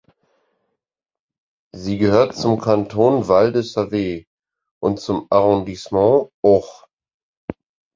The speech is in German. Sie gehört zum Kanton Val de Save und zum Arrondissement Auch.